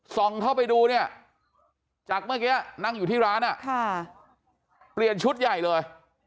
เข้าไปดูเนี่ยจากเมื่อกี้นั่งอยู่ที่ร้านเปลี่ยนชุดใหญ่เลย